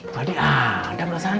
tadi ada perasaan